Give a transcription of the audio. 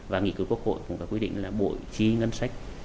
và nghị quyết quốc hội cũng đã quyết định là bộ chi ngân sách